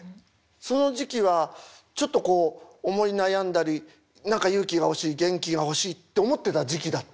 その時期はちょっとこう思い悩んだり何か勇気が欲しい元気が欲しいって思ってた時期だったんですよ。